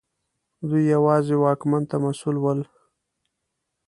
دوی یوازې واکمن ته مسوول ول.